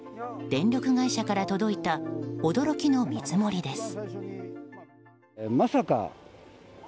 電力会社から届いた驚きの見積もりです。